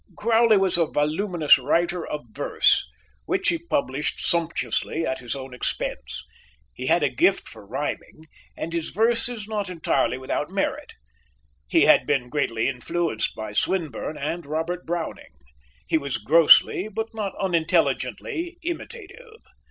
Crowley was a voluminous writer of verse, which he published sumptuously at his own expense. He had a gift for rhyming, and his verse is not entirely without merit. He had been greatly influenced by Swinburne and Robert Browning. He was grossly, but not unintelligently, imitative.